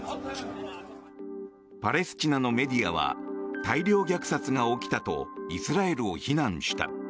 パレスチナのメディアは大量虐殺が起きたとイスラエルを非難した。